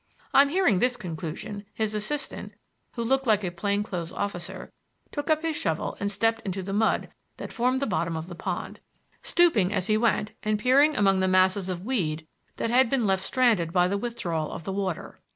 On hearing this conclusion, his assistant, who looked like a plain clothes officer, took up his shovel and stepped into the mud that formed the bottom of the pond, stooping as he went and peering among the masses of weed that had been left stranded by the withdrawal of the water.